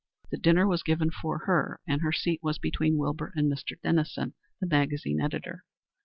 The dinner was given for her, and her seat was between Wilbur and Mr. Dennison, the magazine editor.